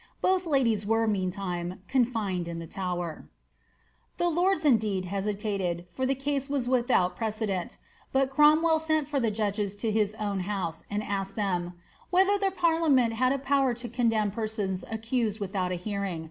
Bolli ladies were, meantime, confined in the 'ftwer. ; Journals of FailiomeQt. 200 AHKB OF GLXVBS. The lords, indeed, hesitated, for the case was without precedent ; 1 Cromwell sent for the judges to his own house, and asked them ^ w! ther the parliament had a power to condemn persons accused withon hearing.''